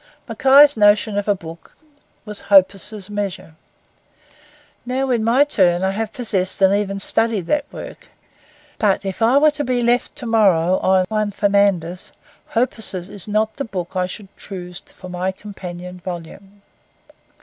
Mackay's notion of a book was Hoppus's Measurer. Now in my time I have possessed and even studied that work; but if I were to be left to morrow on Juan Fernandez, Hoppus's is not the book that I should choose for my companion volume.